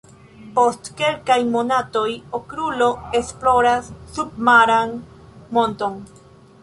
Post kelkaj monatoj, Okrulo esploras submaran monton.